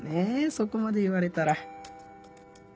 そこまで言われたら。